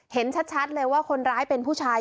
เห็นชัดเลยว่าคนร้ายเป็นผู้ชาย